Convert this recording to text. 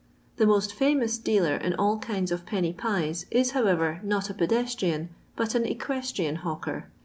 " The most famous dealer in all kinds of penny pies is, however, not a pedestrian, but an equestrian hawker.